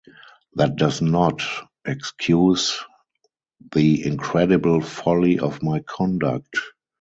That does not excuse the incredible folly of my conduct.